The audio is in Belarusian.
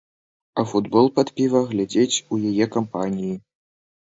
А футбол пад піва глядзець у яе кампаніі.